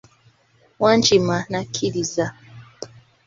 Wankima n'akiriza!